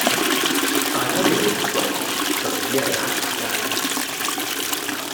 大家嘅活動就只係行街